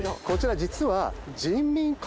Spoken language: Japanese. こちら実は。